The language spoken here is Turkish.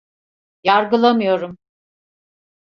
Yargılamıyorum.